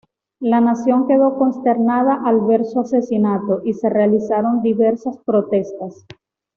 La nación quedó consternada al ver su asesinato, y se realizaron diversas protestas.